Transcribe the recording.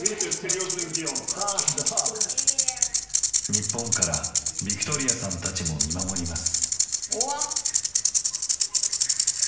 日本からヴィクトリヤさんたちも見守ります。